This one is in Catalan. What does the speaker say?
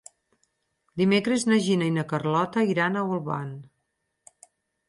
Dimecres na Gina i na Carlota iran a Olvan.